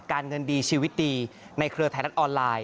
การเงินดีชีวิตดีในเครือไทยรัฐออนไลน์